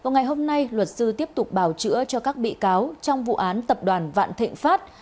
ngày hôm nay luật sư tiếp tục bảo chữa cho các bị cáo trong vụ án tập đoàn vạn thịnh pháp